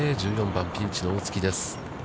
１４番、ピンチの大槻です。